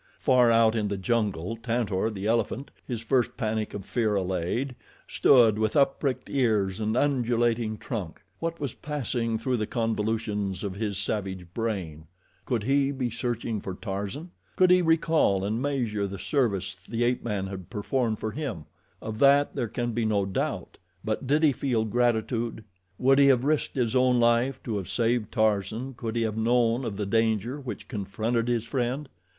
Far out in the jungle Tantor, the elephant, his first panic of fear allayed, stood with up pricked ears and undulating trunk. What was passing through the convolutions of his savage brain? Could he be searching for Tarzan? Could he recall and measure the service the ape man had performed for him? Of that there can be no doubt. But did he feel gratitude? Would he have risked his own life to have saved Tarzan could he have known of the danger which confronted his friend?